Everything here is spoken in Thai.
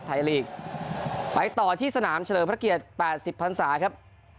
ไทยลีกไปต่อที่สนามเฉลิมพระเกียรติ๘๐พันศาครับ